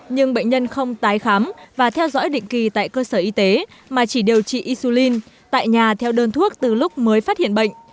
nhưng bệnh nhân không tái khám và theo dõi định kỳ tại cơ sở y tế mà chỉ điều trị isulin tại nhà theo đơn thuốc từ lúc mới phát hiện bệnh